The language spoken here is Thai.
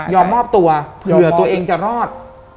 มอบตัวเผื่อตัวเองจะรอด